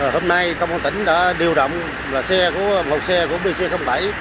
hôm nay công an tỉnh đã điều động một xe của pc bảy